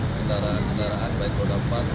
kendaraan kendaraan baik kota pantau